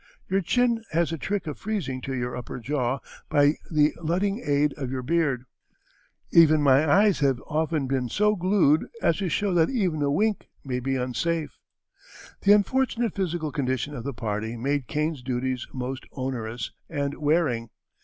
Your chin has a trick of freezing to your upper jaw by the luting aid of your beard; even my eyes have often been so glued as to show that even a wink may be unsafe." The unfortunate physical condition of the party made Kane's duties most onerous and wearing.